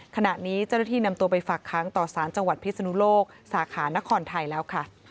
ขณะนี้เจ้าหน้าที่นำตัวไปฝากค้างต่อสารจังหวัดพิศนุโลกสาขานครไทยแล้วค่ะ